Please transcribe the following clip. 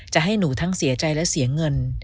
จะให้หนูทั้งเสียใจและเสียเงิน